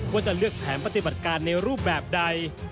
ว่าจะเลือกแผนปฏิบัติการในรูปแบบใด